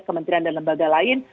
kementerian dan lembaga lain